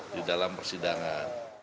di dalam persidangan